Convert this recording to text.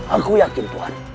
aku yakin tuhan